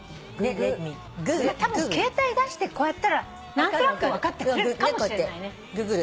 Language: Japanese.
たぶん携帯出してこうやったら何となく分かってくれるかもしれないね。